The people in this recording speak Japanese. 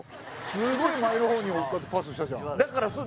すごい前の方にこうやってパスしたじゃん。